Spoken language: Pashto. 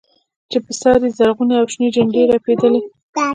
چې پر سر يې زرغونې او شنې جنډې رپېدلې.